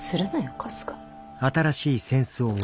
春日。